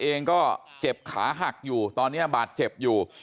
เองก็เจ็บขาหักอยู่ตอนนี้บาดเจ็บอยู่